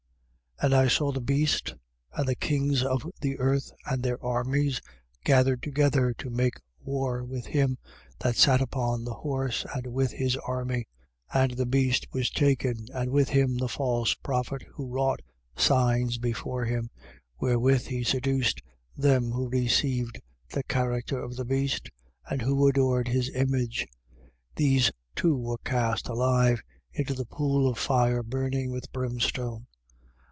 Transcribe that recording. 19:19. And I saw the beast and the kings of the earth and their armies, gathered together to make war with him that sat upon the horse and with his army. 19:20. And the beast was taken, and with him the false prophet who wrought signs before him, wherewith he seduced them who received the character of the beast and who adored his image. These two were cast alive into the pool of fire burning with brimstone.